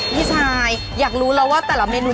พี่ชายอยากรู้แล้วว่าแต่ละเมนู